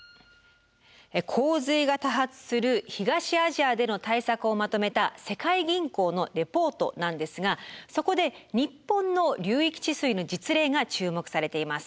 洪水が多発する東アジアでの対策をまとめた世界銀行のレポートなんですがそこで日本の流域治水の実例が注目されています。